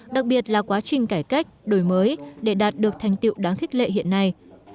đặc biệt là quá trình cải cách đổi mới để đạt được thành tiệu đáng khích lệ hiện nay